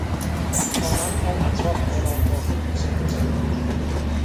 آنان در اطراف آرامگاه او زانو زدند.